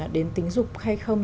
đến tình dục hay không